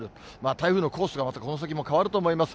台風のコースがまたこの先も変わると思います。